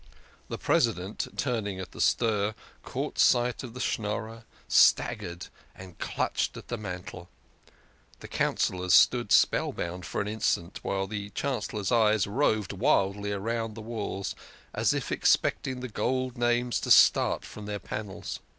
The President, turning at the stir, caught sight of the Schnorrer, staggered and clutched at the mantel. The Councillors stood spellbound for an instant, while the Chan cellor's eyes roved wildly round the walls, as if expecting the gold names to start from their panels.